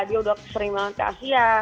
dia udah sering banget ke asia